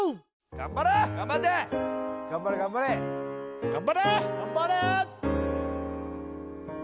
頑張れ頑張れ頑張れ！